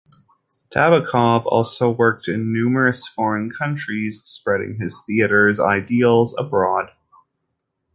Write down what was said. Tabakov also worked in numerous foreign countries, spreading his theatre's ideals abroad.